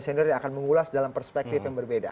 seniornya akan mengulas dalam perspektif yang berbeda